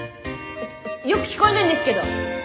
よく聞こえないんですけど。